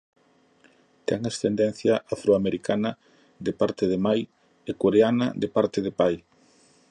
Ten ascendencia afroamericana de parte de nai e coreana de parte de pai.